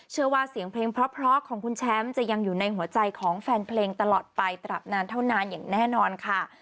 เชื่อว่าเสียงเพลงเพราะของคุณแชมป์จะยังอยู่ในหัวใจของแฟนเพลงตลอดไปตราบนานเท่านานอย่างแน่นอนค่ะ